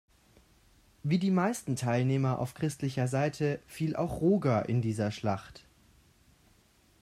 Wie die meisten Teilnehmer auf christlicher Seite fiel auch Roger in dieser Schlacht.